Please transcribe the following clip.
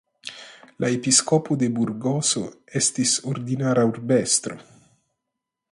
La Episkopo de Burgoso estis ordinara urbestro.